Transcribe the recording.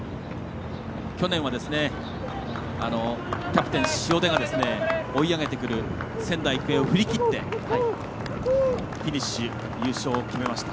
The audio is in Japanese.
去年は、キャプテンの塩出が追い上げてくる仙台育英を振り切ってフィニッシュ、優勝を決めました。